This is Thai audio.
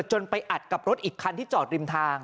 ไปอัดกับรถอีกคันที่จอดริมทาง